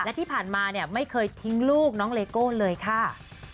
และที่ผ่านมาเนี่ยไม่เคยทิ้งลูกน้องเลโก้เลยค่ะ